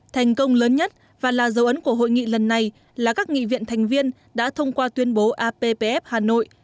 thành công lớn nhất và là dấu ấn của hội nghị lần này là các nghị viện thành viên đã thông qua tuyên bố appf hà nội